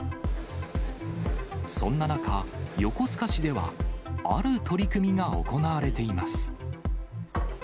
そんな中、横須賀市ではある取り組みが行われています。